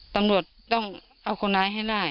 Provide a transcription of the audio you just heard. ตำรวจต้องเอาคนร้ายให้ได้